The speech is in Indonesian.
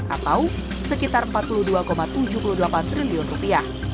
atau sekitar empat puluh dua tujuh puluh delapan triliun rupiah